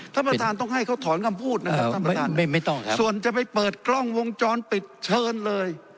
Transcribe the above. ท่านประธานต้องให้เขาถอนคำพูดนะครับท่านประธานส่วนจะไปเปิดกล้องวงจรปิดเชิญเลย